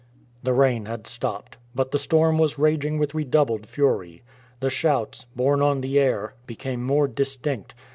The rain had stopped, but the storm was raging with redoubled fury. The shouts, borne on the air, became more distinct.